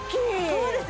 そうです